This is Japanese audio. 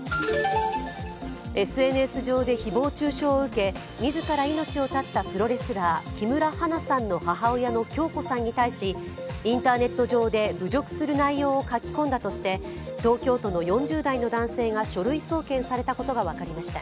ＳＮＳ上で誹謗中傷を受け自ら命を絶ったプロレスラー、木村花さんの母親の響子さんに対しインターネット上で侮辱する内容を書き込んだとして、東京都の４０代の男性が書類送検されたことが分かりました。